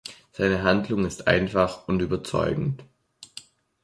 Seine Handlung ist einfach und überzeugend.